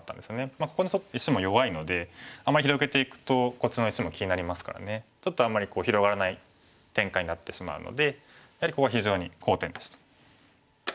ここの石も弱いのであまり広げていくとこっちの石も気になりますからちょっとあんまり広がらない展開になってしまうのでやはりここが非常に好点でした。